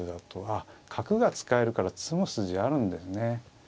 あっ角が使えるから詰む筋あるんですね。